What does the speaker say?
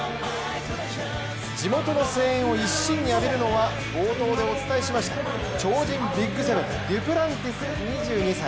地元の声援を一身に浴びるのは冒頭でお伝えしました超人ビッグセブン、デュプランティス２２歳。